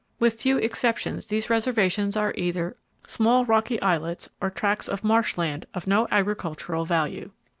With few exceptions these reservations are either small rocky islets or tracts of marsh land of no agricultural value."